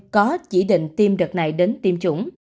có chỉ định tiêm đợt này đến tiêm chủng